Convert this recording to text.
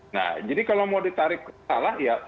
nah jadi kalau mau ditarik salah ya